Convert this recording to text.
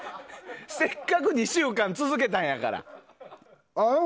せっかく２週間続けたんやから。